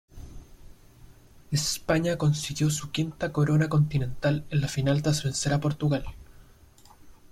España consiguió su quinta corona continental en la final tras vencer a Portugal.